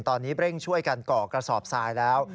ตอนนี้เร่งช่วยกันก่อกระสอบทรายแล้ว